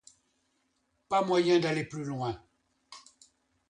Pas moyen d’aller plus loin.